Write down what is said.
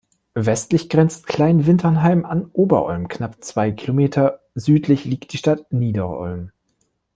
Westlich grenzt Klein-Winternheim an Ober-Olm, knapp zwei Kilometer südlich liegt die Stadt Nieder-Olm.